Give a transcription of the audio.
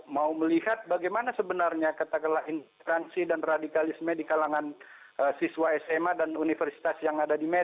mau melihat bagaimana sebenarnya katakanlah insiransi dan radikalisme di kalangan siswa sma dan universitas yang ada di medan